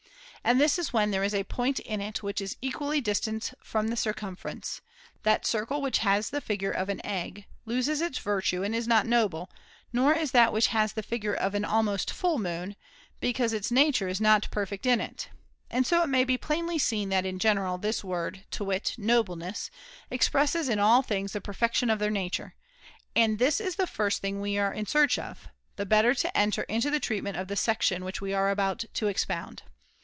And this is when there is a point in it which is equally distant from the circumference. That circle which has the figure of an egg loses its virtue and is not noble ; nor is that which has the figure of an 312 THE CONVIVIO Ch. Mode of almost full moon, because its nature is not perfect definition [^ it. And so it may be plainly seen that in general this word, to wit * nobleness,' expresses in all things the perfection of their nature. And this is the first thing we were in search of, the better to enter into the treatment of the section 2°. which we are about to expound.